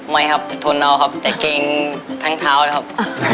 ไม่ครับทุนเอาครับแต่กินทั้งเท้าแล้วครับ